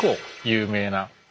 有名な。